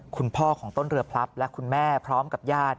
คุณพ่อของต้นเรือพลับและคุณแม่พร้อมกับญาติ